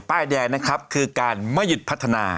ป้ายแดงนะครับคือการไม่หยุดพัฒนา